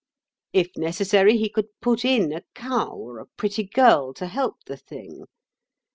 If necessary, he could put in a cow or a pretty girl to help the thing.